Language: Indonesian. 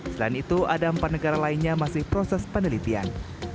selain itu ada empat negara lainnya masih proses penelitian